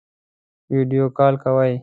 ویډیو کال کوئ؟